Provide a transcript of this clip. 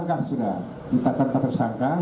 kalau bisa jadi tersangka